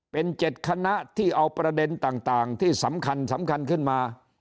เป็น๗คณะที่เอาประเด็นต่างที่สำคัญขึ้นมา